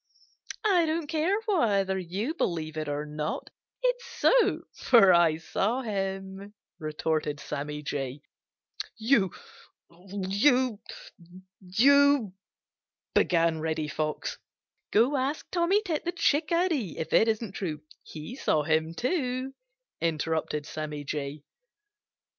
"I don't care whether you believe it or not; it's so, for I saw him," retorted Sammy Jay. "You—you—you—" began Reddy Fox. "Go ask Tommy Tit the Chickadee if it isn't true. He saw him too," interrupted Sammy Jay.